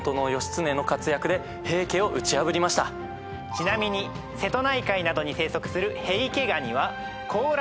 ちなみに瀬戸内海などに生息する。